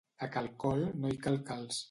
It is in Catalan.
A cal Col no hi cal calç.